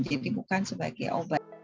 jadi bukan sebagai obat